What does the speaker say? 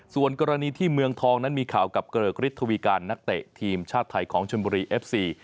ส่วนกรณีที่เมืองทองนั้นมีข่าวกับเกริกฤทธวีการนักเตะทีมชาติไทยของชนบุรีเอฟซี